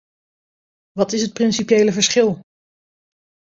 Wat is het principiële verschil?